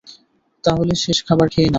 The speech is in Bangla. তাহলে, শেষ খাবার খেয়ে নাও।